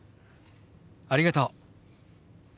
ありがとう。